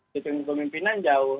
sistem kepemimpinan jauh